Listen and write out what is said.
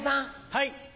はい。